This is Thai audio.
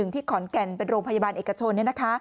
ที่ขอนแก่นเป็นโรงพยาบาลเอกชน